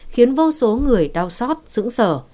khiến vô số người đau xót dững sở